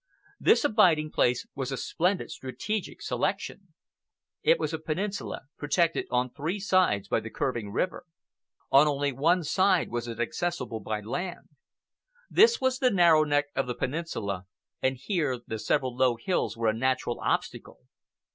This abiding place was a splendid strategic selection. It was a peninsula, protected on three sides by the curving river. On only one side was it accessible by land. This was the narrow neck of the peninsula, and here the several low hills were a natural obstacle.